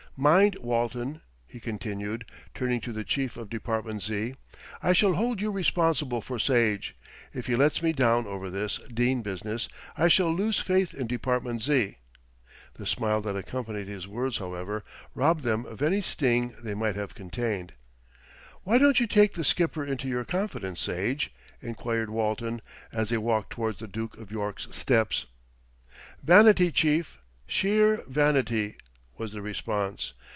Mind, Walton," he continued, turning to the chief of Department Z., "I shall hold you responsible for Sage. If he lets me down over this Dene business, I shall lose faith in Department Z." The smile that accompanied his words, however, robbed them of any sting they might have contained. "Why don't you take the Skipper into your confidence, Sage?" enquired Walton, as they walked towards the Duke of York's steps. "Vanity, chief, sheer vanity," was the response.